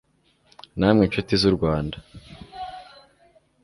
namwe nshuti z'u rwanda